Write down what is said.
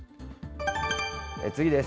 次です。